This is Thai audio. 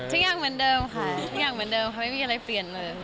ทุกอย่างเหมือนเดิมค่ะทุกอย่างเหมือนเดิมค่ะไม่มีอะไรเปลี่ยนเลย